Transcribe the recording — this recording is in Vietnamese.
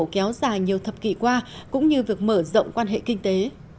kéo dài nhiều thập kỷ qua cũng như việc mở rộng quan hệ kinh tế